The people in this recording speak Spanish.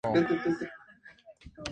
Hay dos maneras de jugar: libre y campaña.